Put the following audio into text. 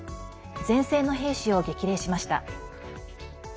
前線の兵士を激励しました。